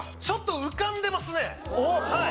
ちょっと浮かんでますね。